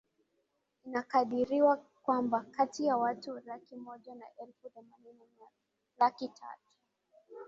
Inakadiriwa kwamba kati ya watu laki moja na elfu themanini na laki tatu